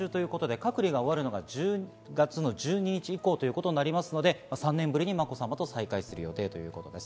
隔離が終わるのは１０月１２日以降ということですので、３年ぶりにまこさまと再会する予定です。